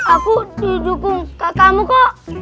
aku didukung kak kamu kok